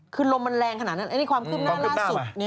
คือลมมันแรงขนาดนั้นอันนี้ความคืบหน้าล่าสุด